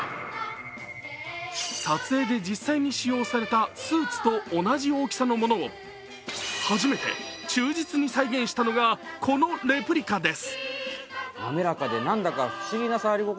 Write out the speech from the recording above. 撮影で実際にしようされたスーツと同じ大きさのものを初めて忠実に再現したのがこのレプリカです。